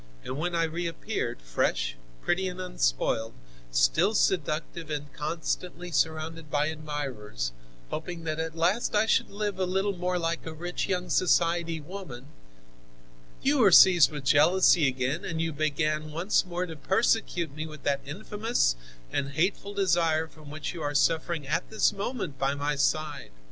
And when I reappeared, fresh, pretty and unspoiled, still seductive and constantly surrounded by admirers, hoping that at last I should live a little more like a rich young society woman, you were seized with jealousy again, and you began once more to persecute me with that infamous and hateful desire from which you are suffering at this moment by my side.